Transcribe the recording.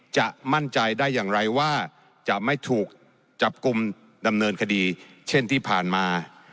จะมั่นใจได้อย่างไรว่าจะไม่ถูกจับกลุ่มดำเนินคดีเช่นที่ผ่านมา